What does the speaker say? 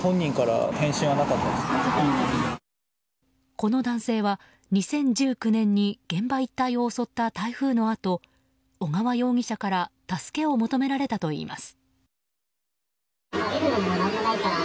この男性は、２０１９年に現場一帯を襲った台風のあと小川容疑者から助けを求められたといいます。